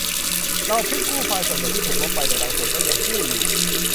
เราเพิ่งกู้ไฟล์ส่วนใหญ่ที่ถูกลบไป แต่บางส่วนก็ยังกู้อยู่